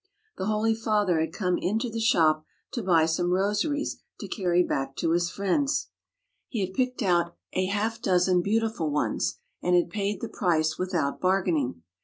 The holy father had come into the shop to buy some rosaries to carry back to his friends. He had picked out 1 1 1 THE HOLY LAND AND SYRIA a half dozen beautiful ones, and had paid the price with out bargaining.